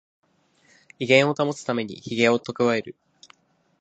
威厳を保つためにヒゲをたくわえる